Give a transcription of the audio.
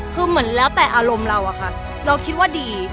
คือเหมือนแล้วแต่อารมณ์เราอะค่ะเราคิดว่าดี